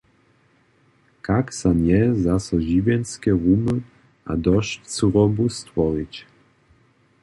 Kak za nje zaso žiwjenske rumy z dosć cyrobu stworić?